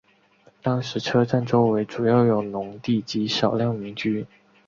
当时车站周围主要有农地及少量民居。